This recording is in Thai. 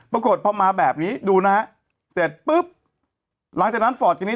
ปรากฏพอมาแบบนี้ดูนะฮะเสร็จปุ๊บหลังจากนั้นฟอร์ตทีนี้